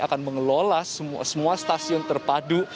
akan mengelola semua stasiun terpadu